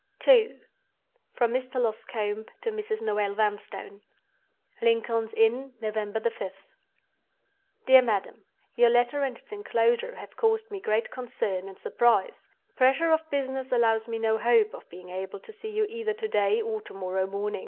II. From Mr. Loscombe to Mrs. Noel Vanstone. "Lincoln's Inn, November 5th. "DEAR MADAM, "Your letter and its inclosure have caused me great concern and surprise. Pressure of business allows me no hope of being able to see you either to day or to morrow morning.